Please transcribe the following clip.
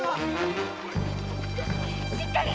しっかり！